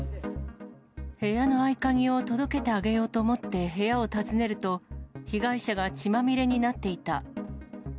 部屋の合鍵を届けてあげようと思って部屋を訪ねると、被害者が血まみれになっていた。